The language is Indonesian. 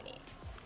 keren banget ya